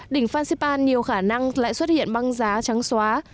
đỉnh phan xipa nhiều khả năng lại xuất hiện băng giá trắng xóa